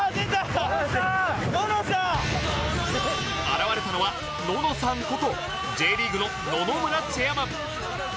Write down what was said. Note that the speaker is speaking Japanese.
現れたのはののさんこと Ｊ リーグの野々村チェアマン